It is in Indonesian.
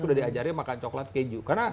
udah diajarnya makan coklat keju